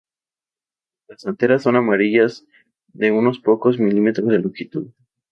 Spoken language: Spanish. Las anteras son amarillas de unos pocos milímetros de longitud.